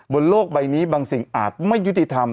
บนโลกใบนี้บางสิ่งอาจไม่ยุติธรรม